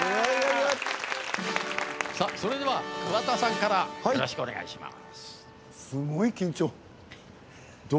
それでは桑田さんからよろしくお願いします。